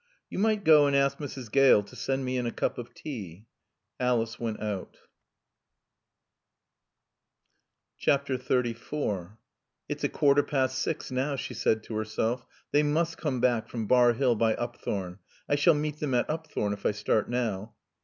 "You might go and ask Mrs. Gale to send me in a cup of tea." Alice went out. XXXIV "It's a quarter past six now," she said to herself. "They must come back from Bar Hill by Upthorne. I shall meet them at Upthorne if I start now."